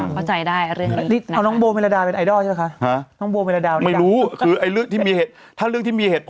เข้าใจได้เรื่องนี้